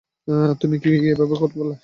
তুমি এটা কিভাবে বলতে পারলে?